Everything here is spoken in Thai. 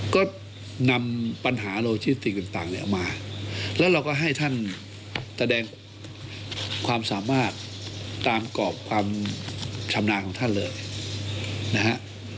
ก็นำปัญหาโลชิติต่างเนี่ยมาแล้วเราก็ให้ท่านแสดงความสามารถตามกรอบความชำนาญของท่านเลยนะฮะ